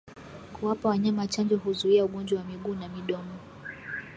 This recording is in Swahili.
Kuwapa wanyama chanjo huzuia ugonjwa wa miguu na midomo